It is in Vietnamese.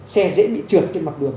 xe dễ bị trượt trên mặt đường